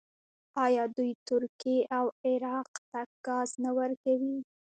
آیا دوی ترکیې او عراق ته ګاز نه ورکوي؟